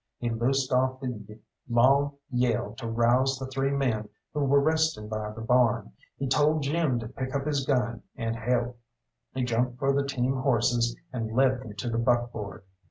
He loosed off the long yell to rouse the three men who were resting by the barn, he told Jim to pick up his gun and help, he jumped for the team horses and led them to the buckboard.